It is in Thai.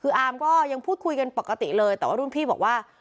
คืออาร์มก็ยังพูดคุยกันปกติเลยแต่ว่ารุ่นพี่บอกว่า